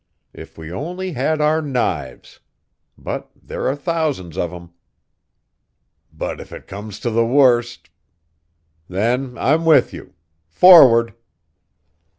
If we only had our knives! But there are thousands of 'em." "But if it comes to the worst " "Then I'm with you. Forward!"